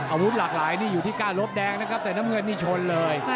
อาวุธหลากหลายนี่อยู่ที่กล้าลบแดงนะครับแต่น้ำเงินนี่ชนเลย